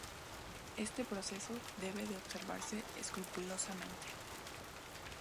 Este proceso debe de observarse escrupulosamente.